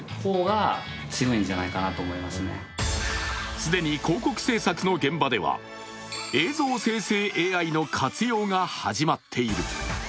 既に広告制作の現場では映像生成ＡＩの活用が始まっている。